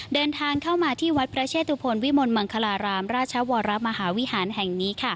เดินทางเข้ามาที่วัดพระเชตุพลวิมลมังคลารามราชวรมหาวิหารแห่งนี้